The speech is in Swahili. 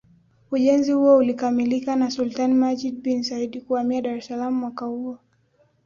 Ujenzi huo ulikamilika na Sultani Majid bin Said kuhamia Dar es Salaam mwaka huo